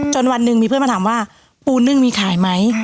วันหนึ่งมีเพื่อนมาถามว่าปูนึ่งมีขายไหม